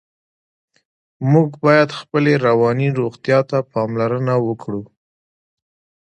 موږ باید خپلې رواني روغتیا ته پاملرنه وکړو.